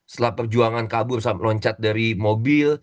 setelah perjuangan kabur loncat dari mobil